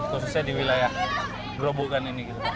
khususnya di wilayah gerobogan ini